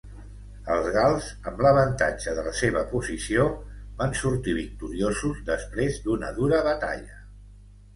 Els gals, amb l'avantatge de la seva posició, van sortir victoriosos després d'una dura batalla.